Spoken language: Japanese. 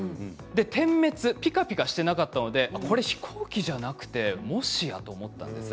点滅ピカピカしていなかったので飛行機じゃなくてもしやと思ったんです。